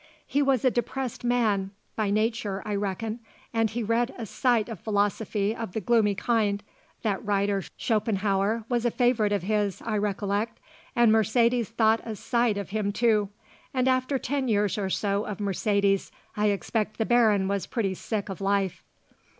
He was a depressed man by nature, I reckon, and he read a sight of philosophy of the gloomy kind that writer Schopenhauer was a favourite of his, I recollect, and Mercedes thought a sight of him, too and after ten years or so of Mercedes I expect the Baron was pretty sick of life.